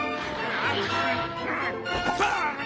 ああ。